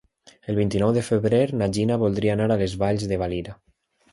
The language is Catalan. El vint-i-nou de febrer na Gina voldria anar a les Valls de Valira.